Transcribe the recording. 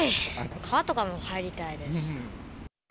川とかもう入りたいです。